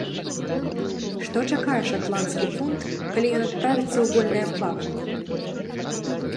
Што чакае шатландскі фунт, калі ён адправіцца ў вольнае плаванне?